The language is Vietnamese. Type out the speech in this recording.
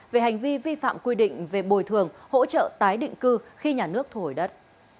về hành vi vi phạm quy định về bồi thường hỗ trợ tái định cư khi nhà nước thu hồi đất